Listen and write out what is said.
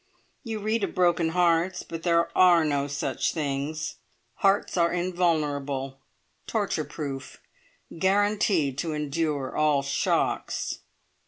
You read of broken hearts, but there are no such things! Hearts are invulnerable, torture proof, guaranteed to endure all shocks!"